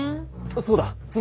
そうだ角！